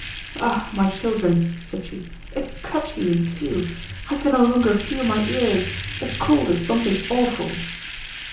"Ah, my children," said she, "it cuts you in two! I can no longer feel my ears. The cold is something awful!"